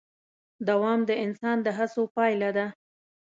دوام د انسان د هڅو پایله ده.